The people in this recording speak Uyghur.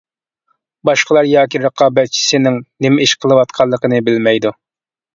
باشقىلار ياكى رىقابەتچىسىنىڭ نېمە ئىش قىلىۋاتقانلىقىنى بىلمەيدۇ.